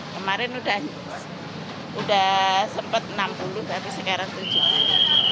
kemarin sudah sempat enam puluh baru sekarang tujuh puluh